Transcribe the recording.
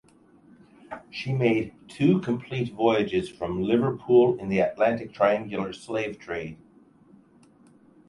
She made two complete voyages from Liverpool in the Atlantic triangular slave trade.